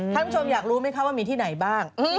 ท่านผู้ชมอยากรู้ไหมคะว่ามีที่ไหนบ้าง